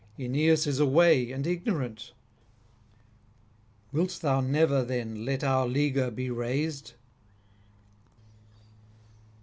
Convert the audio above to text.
Aeneas is away and ignorant. Wilt thou never then let our leaguer be raised?